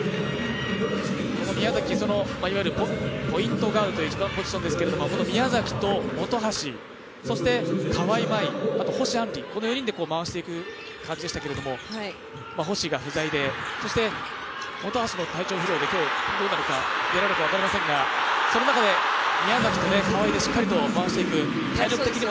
宮崎、いわゆるポイントガードというポジションですけれども宮崎と本橋、そして川井麻衣、星杏璃、この４人で回していく感じでしたけども星が不在でそして本橋も体調不良で、今日出られるか分かりませんが、その中で宮崎と川井でしっかりと回していく。